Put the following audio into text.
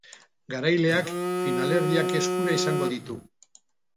Garaileak finalerdiak eskura izango ditu.